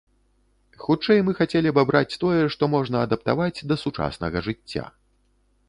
Хутчэй, мы хацелі б абраць тое, што можна адаптаваць да сучаснага жыцця.